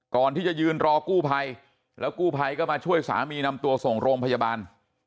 ก่อนที่จะยืนรอกู้ภัยแล้วกู้ภัยก็มาช่วยสามีนำตัวส่งโรงพยาบาล